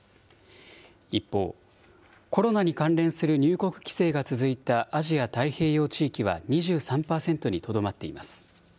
一方、コロナに関連する入国規制が続いたアジア太平洋地域は２３％にとどまっています。